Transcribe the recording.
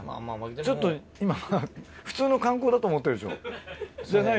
ちょっと今普通の観光だと思ってるでしょ。